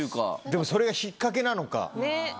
でもそれが引っ掛けなのか。ねぇ。